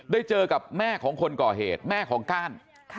เจอกับแม่ของคนก่อเหตุแม่ของก้าน